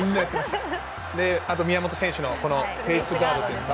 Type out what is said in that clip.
あと宮本選手のフェースガード。